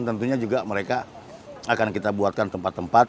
dan tentunya juga mereka akan kita buatkan tempat tempat